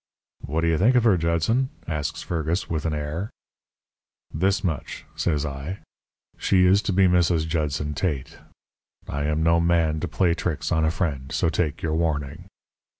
"'What do you think of her, Judson?' asks Fergus, with an air. "'This much,' says I. 'She is to be Mrs. Judson Tate. I am no man to play tricks on a friend. So take your warning.'